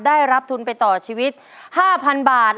ได้รับทุนไปต่อชีวิต๕๐๐๐บาท